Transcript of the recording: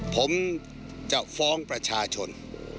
ผมจะฟ้องประชาชน